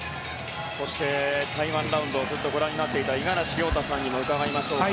台湾ラウンドをずっとご覧になっていた五十嵐亮太さんにも伺いましょうか。